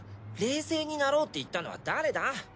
冷静になろうって言ったのは誰だ？